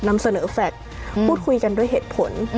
นำเสนอแฟลตพูดคุยกันด้วยเหตุผล